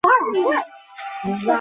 পিতার নামঃ উবাগরাম।